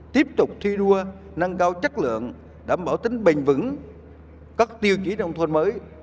tiếp tục thi đua nâng cao chất lượng đảm bảo tính bền vững các tiêu chí nông thôn mới